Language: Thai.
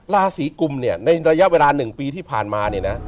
ราศีกุมเนี่ยในระยะเวลา๑ปีที่ผ่านมาเนี่ยนะ